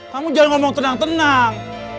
kamu jangan ngomong tenang tenang